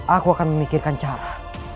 aku akan memikirkan cara